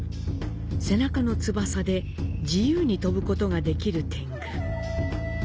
背中の翼で自由に飛ぶことができる天狗。